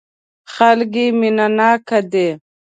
خلک یې مینه ناک دي.